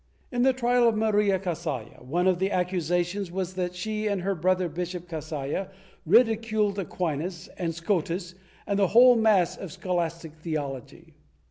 In the trial of Maria Cazalla, one of the accusations was that she and her brother Bishop Cazalla ridiculed Aquinas and Scotus and the whole mass of scho lastic theology."